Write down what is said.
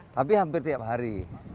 tapi hampir tiap hari